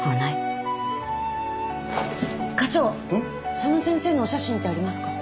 その先生のお写真ってありますか？